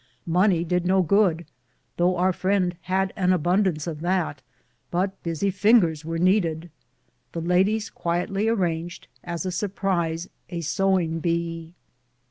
Money did no good, though our friend had abundance of that, but busy fingers were needed. The ladies quietly arranged, as a surprise, a sewing bee.